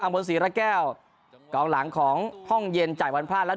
อัมพลศรีระแก้วกล้องหลังของห้องเย็นจ่ายบอลพลาดแล้ว